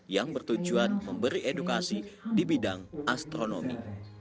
yang bertujuan memberi edukasi di bidang astronomi